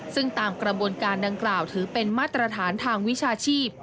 ซึ่งตามกระบวนการดังกล่าวถือเป็นมาตรฐานทางวิชาชีพ